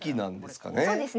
そうですね。